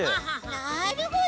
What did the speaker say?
なるほど！